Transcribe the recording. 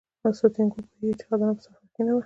سانتیاګو پوهیږي چې خزانه په سفر کې نه وه.